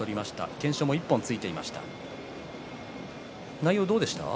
懸賞が１本ついていました。